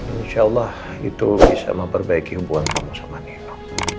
insya allah itu bisa memperbaiki hubungan kamu sama nino